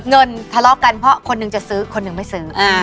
ทะเลาะกันเพราะคนหนึ่งจะซื้อคนหนึ่งไม่ซื้อ